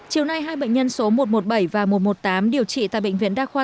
chiều nay hai bệnh nhân số một trăm một mươi bảy và một trăm một mươi tám điều trị tại bệnh viện đa khoa